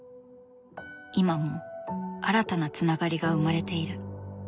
今も新たなつながりが生まれている。